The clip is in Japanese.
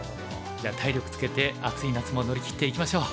じゃあ体力つけて暑い夏も乗り切っていきましょう！